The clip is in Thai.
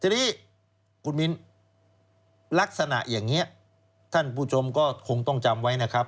ทีนี้คุณมิ้นลักษณะอย่างนี้ท่านผู้ชมก็คงต้องจำไว้นะครับ